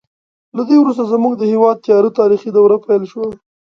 له دې وروسته زموږ د هېواد تیاره تاریخي دوره پیل شوه.